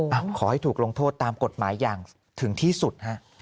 ขอให้ถูกลงโทษตามกฎหมายอย่างถึงที่สุดฮะ